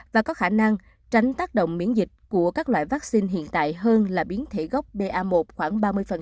và có khả năng tránh tác động miễn dịch của các loại vaccine hiện tại hơn là biến thể gốc ba khoảng ba mươi